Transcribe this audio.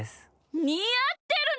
にあってるね！